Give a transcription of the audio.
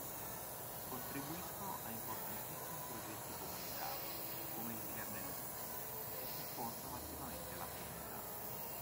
Contribuiscono a importantissimi progetti comunitari, come il Kernel Linux e supportano attivamente la comunità hacker.